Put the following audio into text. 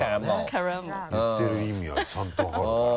「カラモ」言ってる意味はちゃんと分かるから。